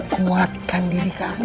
kuatkan diri kamu